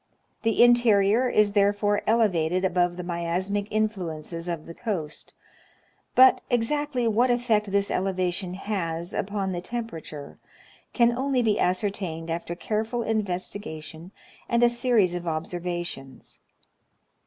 The interior is therefore ele vated above the miasmatic influences of the coast, but exactly what effect this elevation has upon the temperature can only be ascertained after careful investigation and a series of observa^ tions.